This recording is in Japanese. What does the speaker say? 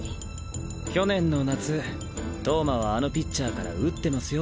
去年の夏投馬はあのピッチャーから打ってますよ